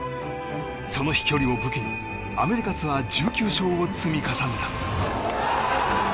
その飛距離を武器にアメリカツアー１９勝を積み重ねた。